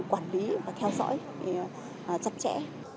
quản lý và theo dõi chặt chẽ